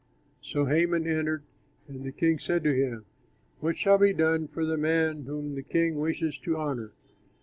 So Haman entered, and the king said to him, "What shall be done for the man whom the king wishes to honor?"